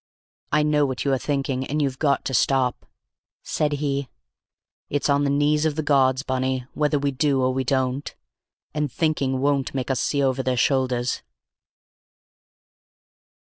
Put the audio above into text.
"I know what you are thinking, and you've got to stop," said he. "It's on the knees of the gods, Bunny, whether we do or we don't, and thinking won't make us see over their shoulders."